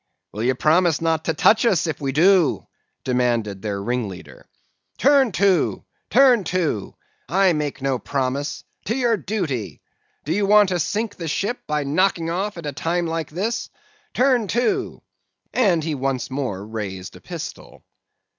"'Will you promise not to touch us, if we do?' demanded their ringleader. "'Turn to! turn to!—I make no promise;—to your duty! Do you want to sink the ship, by knocking off at a time like this? Turn to!' and he once more raised a pistol.